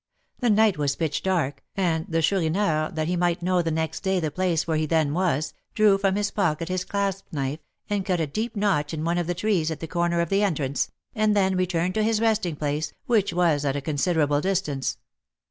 The night was pitch dark, and the Chourineur, that he might know the next day the place where he then was, drew from his pocket his clasp knife, and cut a deep notch in one of the trees at the corner of the entrance, and then returned to his resting place, which was at a considerable distance.